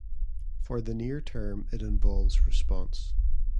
For the near term it involves response.